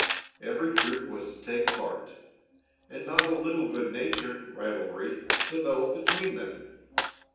Every troop was to take part, and not a little good natured rivalry developed between them.